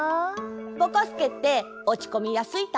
ぼこすけっておちこみやすいタイプ？